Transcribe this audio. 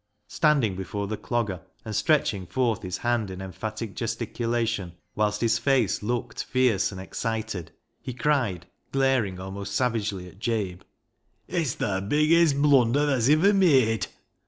Standing before the Clogger, and stretching forth his hand in emphatic gesticulation, whilst his face looked fierce and excited, he cried, glaring almost savagely at Jabe —" It's th' biggest blunder tha's iver made."